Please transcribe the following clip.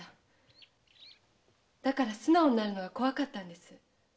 だから素直になるのが怖かったんです。